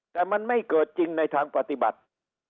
แต่มันไม่เกิดจริงในทางปฏิบัติ